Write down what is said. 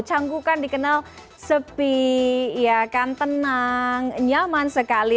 canggu kan dikenal sepi tenang nyaman sekali